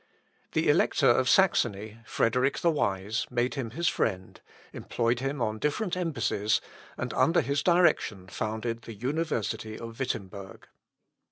The Elector of Saxony, Frederick the Wise, made him his friend, employed him on different embassies, and under his direction founded the University of Wittemberg.